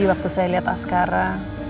waktu saya melihat askara